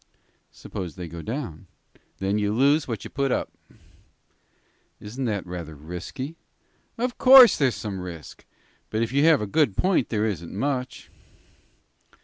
"Suppose they go down?" "Then you lose what you put up." "Isn't it rather risky?" "Of course there's some risk, but if you have a good point there isn't much."